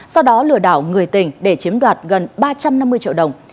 sau đó lừa đảo người tình để chiếm đoạt gần ba trăm năm mươi triệu đồng